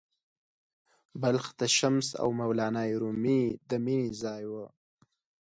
بلخ د “شمس او مولانا رومي” د مینې ځای و.